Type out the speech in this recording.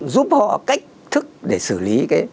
giúp họ cách thức để xử lý